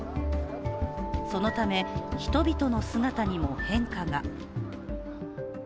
そのため、人々の姿にも変化が。